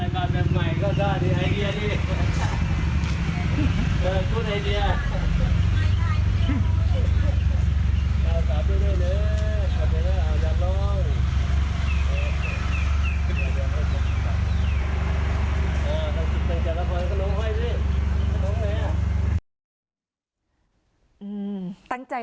ตั้งใจตั้งใจหลวงพ่อให้สิหลวงเนี่ย